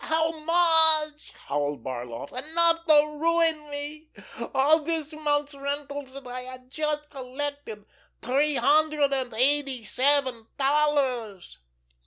How much!" howled Barloff. "Enough to ruin me! All this month's rentals that I had just collected. Three hundred and eighty seven dollars!"